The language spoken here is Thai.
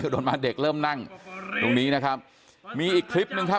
คือเริ่มนั่งตรงนี้นะครับมีอีกคลิปนึงครับ